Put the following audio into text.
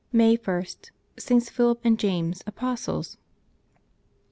May I.— STS. PHILIP and JAMES, Apostles.